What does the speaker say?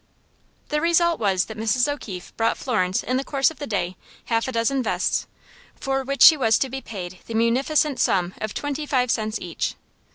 The result was that Mrs. O'Keefe brought Florence in the course of the day half a dozen vests, for which she was to be paid the munificent sum of twenty five cents each.